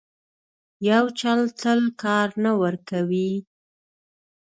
یو چل تل کار نه ورکوي.